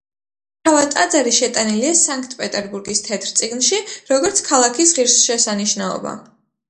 თავად ტაძარი შეტანილია სანქტ-პეტერბურგის თეთრ წიგნში, როგორც ქალაქის ღირსშესანიშნაობა.